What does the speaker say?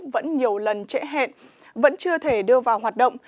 vẫn nhiều lần trễ hẹn vẫn chưa thể đưa vào hoạt động